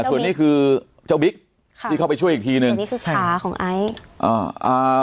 ส่วนนี้คือเจ้าบิ๊กที่เข้าไปช่วยอีกทีนึงส่วนนี้คือขาของไอท์